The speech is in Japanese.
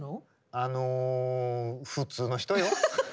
あの普通の人よ。